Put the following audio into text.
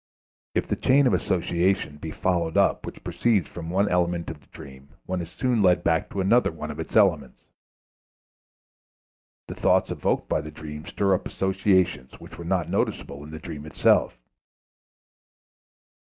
If the chain of associations be followed up which proceeds from one element of the dream one is soon led back to another of its elements. The thoughts evoked by the dream stir up associations which were not noticeable in the dream itself.